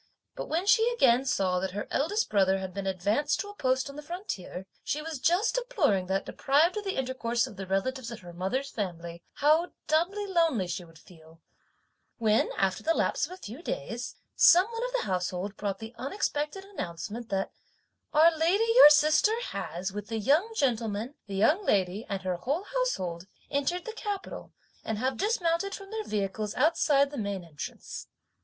But when she again saw that her eldest brother had been advanced to a post on the frontier, she was just deploring that, deprived of the intercourse of the relatives of her mother's family, how doubly lonely she would feel; when, after the lapse of a few days, some one of the household brought the unexpected announcement that "our lady, your sister, has, with the young gentleman, the young lady and her whole household, entered the capital and have dismounted from their vehicles outside the main entrance."